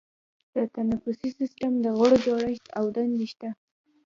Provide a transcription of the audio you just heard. د تنفسي سیستم د غړو جوړښت او دندې شته.